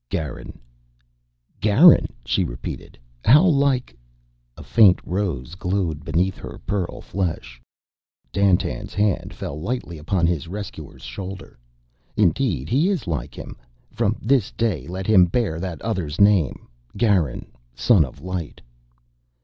"Garin." "Garin," she repeated. "How like " A faint rose glowed beneath her pearl flesh. Dandtan's hand fell lightly upon his rescuer's shoulder. "Indeed he is like him. From this day let him bear that other's name. Garan, Son of Light."